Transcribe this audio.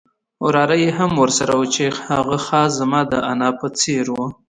وراره یې هم ورسره وو چې هغه خاص زما د انا په څېر وو.